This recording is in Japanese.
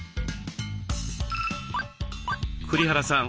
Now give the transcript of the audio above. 栗原さん